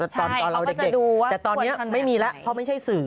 ตอนเราเด็กแต่ตอนนี้ไม่มีแล้วเพราะไม่ใช่สื่อ